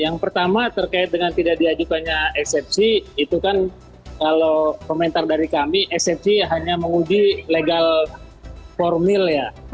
yang pertama terkait dengan tidak diajukannya eksepsi itu kan kalau komentar dari kami eksepsi hanya menguji legal formil ya